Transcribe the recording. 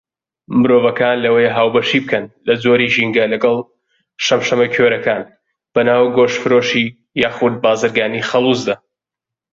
مرۆڤەکان لەوەیە هاوبەشی بکەن لە جۆری ژینگە لەگەڵ شەمشەمەکوێرەکان بەناو گۆشتفرۆشی یاخود بارزگانی خەڵوزدا.